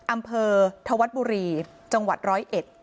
อำเภอธวัดบุรีจังหวัดร้อยเอ็ด